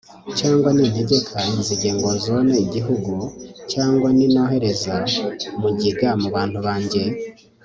cyangwa nintegeka inzige ngo zone igihugu cyangwa ninohereza mugiga mu bantu banjye